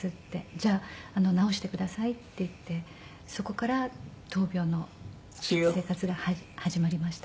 「じゃあ治してください」って言ってそこから闘病の生活が始まりました。